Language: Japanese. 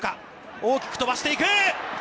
大きく飛ばしていく。